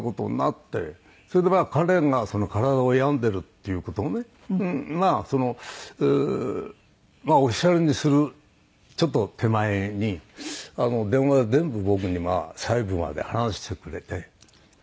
それで彼が体を病んでるっていう事をねまあオフィシャルにするちょっと手前に電話で全部僕に細部まで話してくれて。